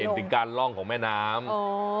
เห็นติดการร่องของแม่น้ำ